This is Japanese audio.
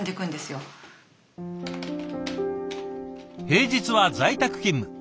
平日は在宅勤務。